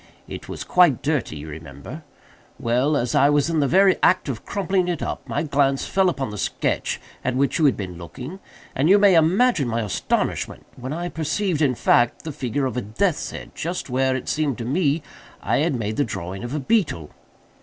It was quite dirty, you remember. Well, as I was in the very act of crumpling it up, my glance fell upon the sketch at which you had been looking, and you may imagine my astonishment when I perceived, in fact, the figure of a death's head just where, it seemed to me, I had made the drawing of the beetle.